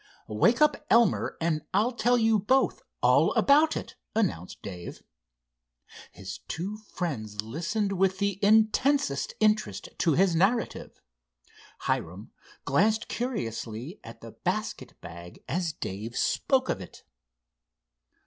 "Wake up, Elmer, and I'll tell you both all about it," announced Dave. His two friends listened with the intensest interest to his narrative. Hiram glanced curiously at the basket bag as Dave spoke of it.